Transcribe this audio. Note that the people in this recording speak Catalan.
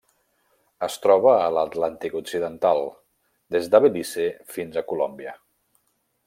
Es troba a l'Atlàntic occidental: des de Belize fins a Colòmbia.